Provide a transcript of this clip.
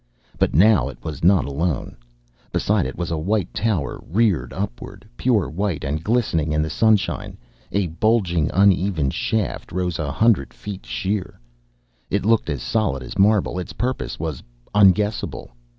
But now it was not alone. Beside it a white tower reared upward. Pure white and glistening in the sunshine, a bulging, uneven shaft rose a hundred feet sheer. It looked as solid as marble. Its purpose was unguessable.